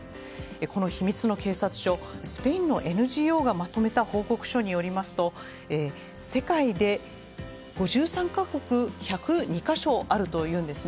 この秘密警察署スペインのＮＧＯがまとめた報告書によりますと世界で、５３か国１０２か所あるというんです。